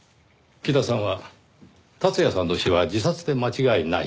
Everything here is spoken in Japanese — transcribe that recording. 木田さんは達也さんの死は自殺で間違いないと。